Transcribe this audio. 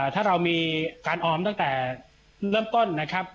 ถ้าเรามีการออมตั้งแต่เริ่มต้นนะครับ